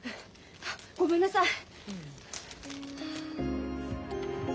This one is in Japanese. ごめんなさい。